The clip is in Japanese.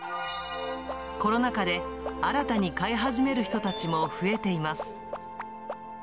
コロナ禍で新たに飼い始める人たちも増えています。